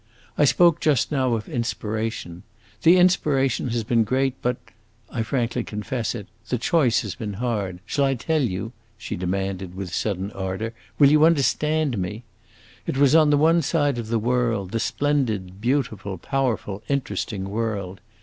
I spoke just now of inspiration. The inspiration has been great, but I frankly confess it the choice has been hard. Shall I tell you?" she demanded, with sudden ardor; "will you understand me? It was on the one side the world, the splendid, beautiful, powerful, interesting world.